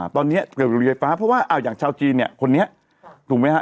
ตอนนี้เกิดเรือไฟฟ้าเพราะว่าอย่างชาวจีนเนี่ยคนนี้ถูกไหมฮะ